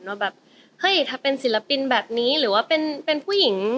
ว่าแบบเฮ้ยถ้าเป็นศิลปินแบบนี้หรือว่าเป็นผู้หญิง